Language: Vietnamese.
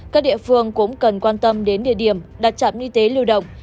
các địa phương cũng cần quan tâm đến địa điểm đặt trạm y tế lưu động